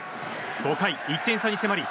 ５回、１点差に迫り